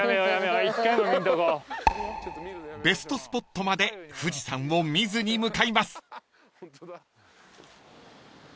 ［ベストスポットまで富士山を見ずに向かいます］